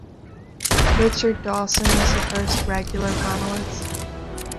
Richard Dawson was the first regular panelist.